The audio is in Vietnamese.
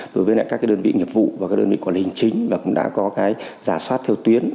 đơn vị nghiệp vụ và đơn vị quản lý chính đã có giả soát theo tuyến